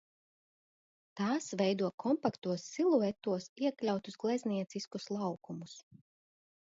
Tās veido kompaktos siluetos iekļautus gleznieciskus laukumus.